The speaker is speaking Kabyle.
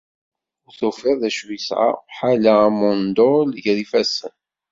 Ur tufiḍ d acu i yesɛa ḥala amundul gar ifassen.